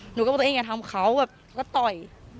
หนูก็บอกตัวเองอย่าทำเขาแบบแล้วต่อย